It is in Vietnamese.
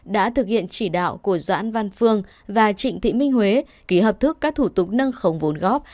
đã thực hiện chỉ đạo của doãn văn phương và trịnh thị minh huế ký hợp thức các thủ tục nâng khống vốn góp